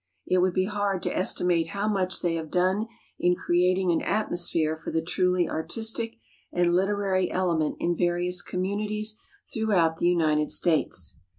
It would be hard to estimate how much they have done in creating an atmosphere for the truly artistic and literary element in various communities throughout the United States.